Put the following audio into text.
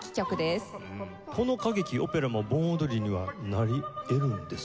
この歌劇オペラも盆踊りにはなりえるんですか？